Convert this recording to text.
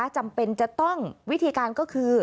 จำเป็นจะต้องวิธีการก็คือ